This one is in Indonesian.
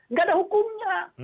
nggak ada hukumnya